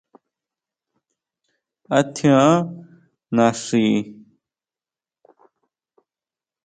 ¿A tjián naxi?